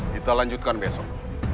kita lanjutkan besok